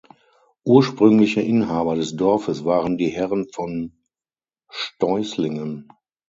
Ursprüngliche Inhaber des Dorfes waren die Herren von Steußlingen.